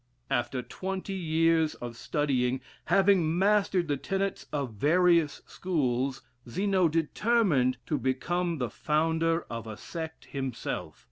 After twenty years of study, having mastered the tenets of the various schools, Zeno determined to become the founder of a sect himself.